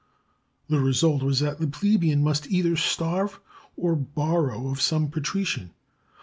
The result was that the plebe ian must either starve or borrow of some patrician.